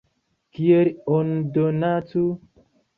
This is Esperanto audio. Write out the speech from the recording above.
Kiel oni donacu?